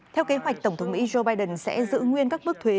theo kế hoạch tổng thống mỹ joe biden sẽ giữ nguyên các bước thuế